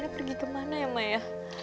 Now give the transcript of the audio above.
pergi kemana ya maya